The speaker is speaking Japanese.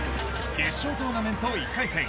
決勝トーナメント１回戦